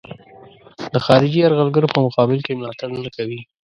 د خارجي یرغلګر په مقابل کې ملاتړ نه کوي.